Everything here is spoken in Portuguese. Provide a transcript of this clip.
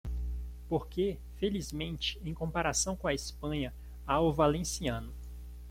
Porque, felizmente, em comparação com a Espanha, há o valenciano.